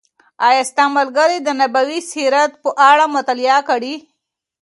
آیا ستا ملګري د نبوي سیرت په اړه مطالعه کړې ده؟